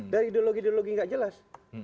dari ideologi ideologi yang tidak jelas